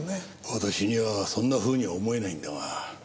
私にはそんなふうに思えないんだが。